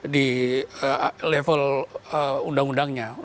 di level undang undangnya